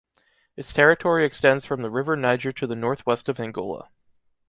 Its territory extends from the River Niger to the northwest of Angola.